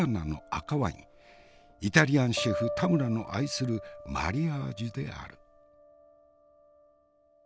イタリアンシェフ田村の愛するマリアージュである。